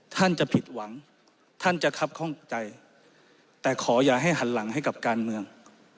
ท่านจะผิดหวังท่านจะคับข้องใจแต่ขออย่าให้หันหลังให้กับการเมือง